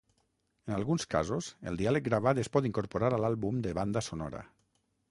En alguns casos, el diàleg gravat es pot incorporar a l'àlbum de banda sonora.